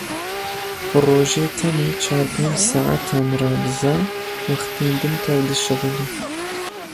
Rojê tenê çar pênc saetan radiza, wextên din tev dişixulî.